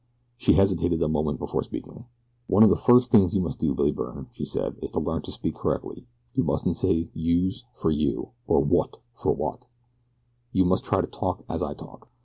She hesitated a moment before speaking. "One of the first things you must do, Mr. Byrne," she said, "is to learn to speak correctly. You mustn't say 'youse' for 'you,' or 'wot' for 'what' you must try to talk as I talk.